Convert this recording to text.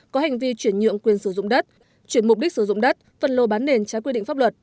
có hành vi chuyển nhượng quyền sử dụng đất chuyển mục đích sử dụng đất phân lô bán nền trái quy định pháp luật